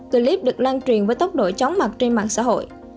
clip được lan truyền với tốc độ chóng mặt trên mạng xã hội